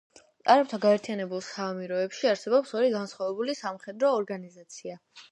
არაბთა გაერთიანებულ საამიროებში არსებობს ორი განსხვავებული სამხედრო ორგანიზაცია.